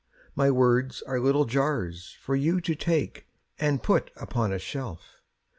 My words are little jars For you to take and put upon a shelf.